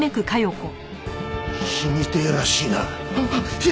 死にてえらしいな。